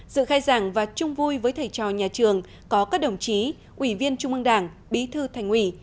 dự khai giảng và chung vui với thầy trò nhà trường có các đồng chí ủy viên trung ương đảng bí thư thành ủy